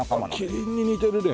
キリンに似てるね。